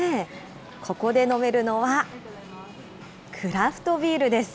ここで飲めるのはクラフトビールです。